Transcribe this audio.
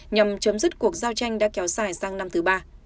nhằm chấm dứt cuộc giao tranh đã kéo dài sang năm thứ ba